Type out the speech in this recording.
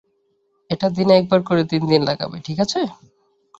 এটা দিনে একবার করে তিনদিন লাগাবে, ঠিক আছে?